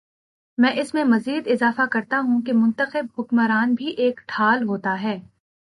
میں اس میں مزید اضافہ کرتا ہوں کہ منتخب حکمران بھی ایک ڈھال ہوتا ہے۔